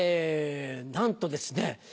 なんとですね